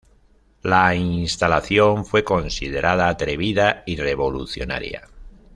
La instalación fue considerada atrevida y revolucionaria.